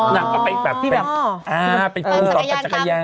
นั่งกลับไปแบบอ่าเป็นภูมิต่อจักรยาน